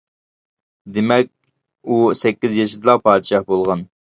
دېمەك ئۇ سەككىز يېشىدىلا پادىشاھ بولغان.